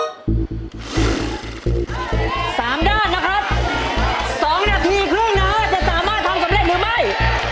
สามด้านนะครับสองนาทีครึ่งนะฮะจะสามารถทำสำเร็จหรือไม่